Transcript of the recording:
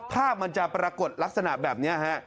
ภาพมันจะปรากฏลักษณะแบบนี้ฮะ